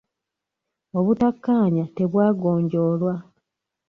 Obuttakaanya tebwagonjoolwa.